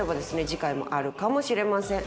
次回もあるかもしれません。